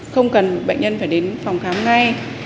không cần bệnh nhân phải đến phòng khám ngay